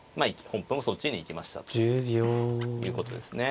本譜もそっちに行きましたということですね。